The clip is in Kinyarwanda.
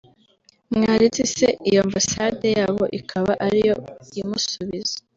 Mwaretse se iyo ambassade yabo ikaba ariyo imusubiza